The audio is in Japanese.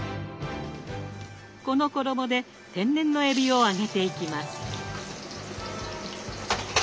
この衣で天然のえびを揚げていきます。